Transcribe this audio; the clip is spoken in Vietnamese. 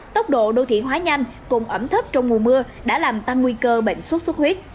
tốc độ đô thị hóa nhanh cùng ẩm thấp trong mùa mưa đã làm tăng nguy cơ bệnh xuất xuất huyết